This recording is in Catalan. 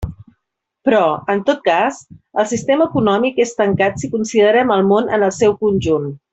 Però, en tot cas, el sistema econòmic és tancat si considerem el món en el seu conjunt.